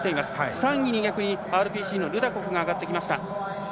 ３位にＲＰＣのルダコフが上がってきました。